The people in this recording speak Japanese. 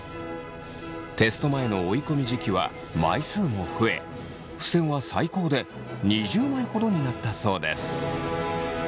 テスト前の追い込み時期は枚数も増えふせんは最高で２０枚ほどになったそうです。